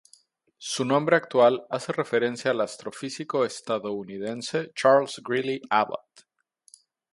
Su nombre actual hace referencia al astrofísico estadounidense Charles Greeley Abbot.